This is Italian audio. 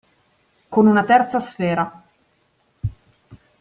Con una terza sfera.